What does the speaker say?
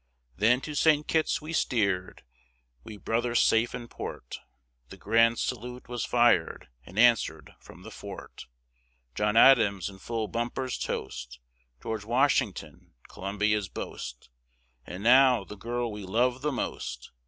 Then to St. Kitts we steered, we bro't her safe in port, The grand salute was fired and answered from the fort, John Adams in full bumpers toast, George Washington, Columbia's boast, And now "the girl we love the most!"